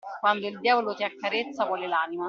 Quando il diavolo ti accarezza, vuole l'anima.